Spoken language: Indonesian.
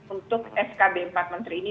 untuk skb empat menteri ini